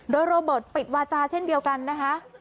โดยโรเบิร์ตปิดวาจาเช่นเดียวกันนะคะ